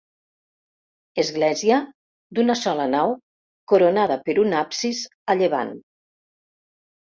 Església d'una sola nau coronada per un absis a llevant.